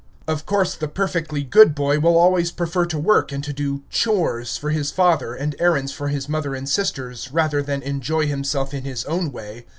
Of course the perfectly good boy will always prefer to work and to do "chores" for his father and errands for his mother and sisters, rather than enjoy himself in his own way.